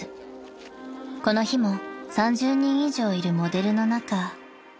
［この日も３０人以上いるモデルの中］